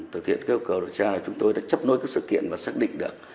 thực hiện cái yêu cầu điều tra là chúng tôi đã chấp nối các sự kiện và xác định được